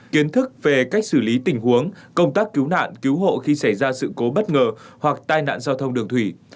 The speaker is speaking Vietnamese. kiến thức về cách xử lý tình huống công tác cứu nạn cứu hộ khi xảy ra sự cố bất ngờ hoặc tai nạn giao thông đường thủy